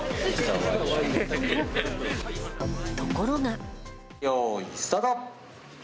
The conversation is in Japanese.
ところが。